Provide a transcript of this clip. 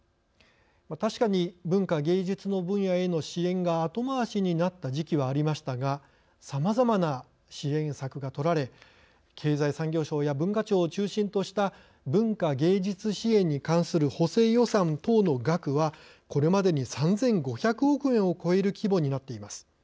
確かに文化芸術の分野への支援が後回しになった時期はありましたがさまざまな支援策がとられ経済産業省や文化庁を中心とした文化芸術支援に関する補正予算等の額はこれまでに３，５００億円を超える規模になっています。